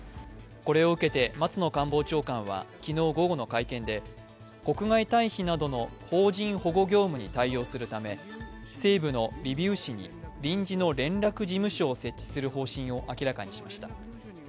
これを受けて、松野官房長官は昨日午後の会見で国外退避などの邦人保護業務に対応するために西部のリビウ市に臨時の連絡事務所を設置する方針を明らかにしました。